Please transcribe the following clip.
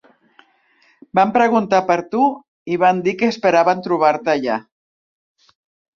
Van preguntar per tu i van dir que esperaven trobar-te allà.